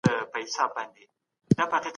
سیال هیواد نوی سفیر نه باسي.